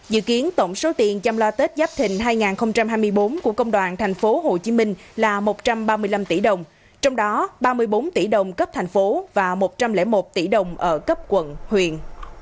dự kiến tổng số tiền chăm lo tết giáp thình hai nghìn hai mươi bốn của công đoàn tp hcm là một trăm ba mươi năm tỷ đồng trong đó ba mươi bốn tỷ đồng cấp thành phố và một trăm linh một tỷ đồng ở cấp quận huyện